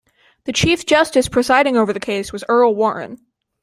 The Chief Justice presiding over the case was Earl Warren.